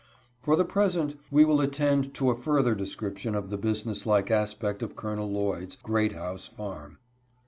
For the present we will attend to a further description of the business like aspect of Col. Lloyd's " Great House" farm.